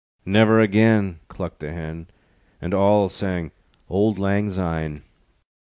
"Never again," Clucked the Hen, And all sang Old Lang Syne.